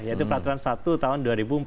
yaitu peraturan satu tahun dua ribu empat belas